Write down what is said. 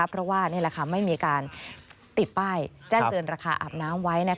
เพราะว่าไม่มีการติดป้ายแจ้งเตือนราคาอาบน้ำไว้